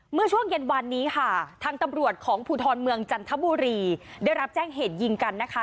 เมื่อช่วงเย็นวันนี้ค่ะทางตำรวจของภูทรเมืองจันทบุรีได้รับแจ้งเหตุยิงกันนะคะ